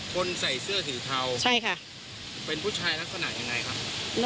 คนใส่เสื้อสีเทาใช่ค่ะเป็นผู้ชายลักษณะยังไงครับ